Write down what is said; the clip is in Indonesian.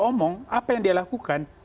omong apa yang dia lakukan